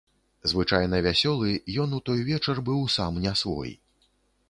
Звычайна вясёлы, ён у той вечар быў сам не свой.